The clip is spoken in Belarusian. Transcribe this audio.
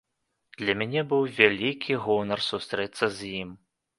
Для мяне быў вялікі гонар сустрэцца з ім.